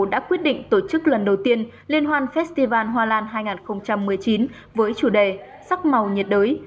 đã quyết định tổ chức lần đầu tiên liên hoan festival hoa lan hai nghìn một mươi chín với chủ đề sắc màu nhiệt đới